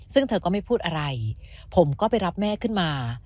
ซึ่งเธอก็ไม่พูดอะไรผมก็ไปรับแม่ขึ้นมา